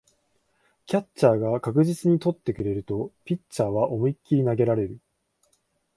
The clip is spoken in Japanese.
キャッチャーが確実に捕ってくれるとピッチャーは思いっきり投げられる